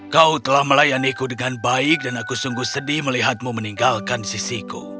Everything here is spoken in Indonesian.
kau telah melayaniku dengan baik dan aku sungguh sedih melihatmu meninggalkan sisiku